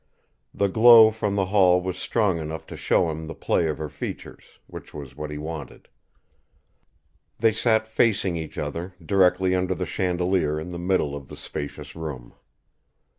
The glow from the hall was strong enough to show him the play of her features which was what he wanted. They sat facing each other, directly under the chandelier in the middle of the spacious room.